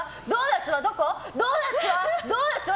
ドーナツは？